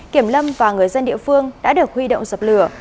kiểm lâm và người dân địa phương đã được huy động dập lửa